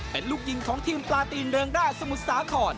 ปลาตีนเรืองร่าสมุดสาขอน